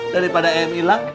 daripada em hilang